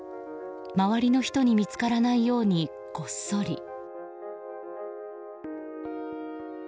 周りの人に見つからないようにこっそり。